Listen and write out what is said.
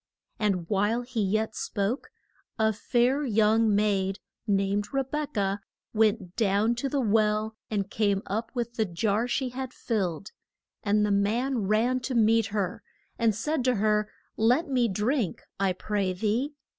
And while he yet spoke a fair young maid named Re bek ah went down to the well and came up with the jar she had filled. And the man ran to meet her, and said to her, Let me drink, I pray thee.